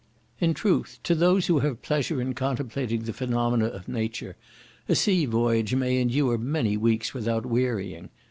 In truth, to those who have pleasure in contemplating the phenomena of nature, a sea voyage may endure many weeks without wearying.